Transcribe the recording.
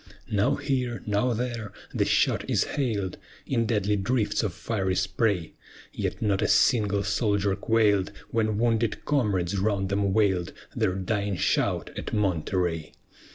Now here, now there, the shot is hail'd In deadly drifts of fiery spray, Yet not a single soldier quail'd When wounded comrades round them wail'd Their dying shout at Monterey.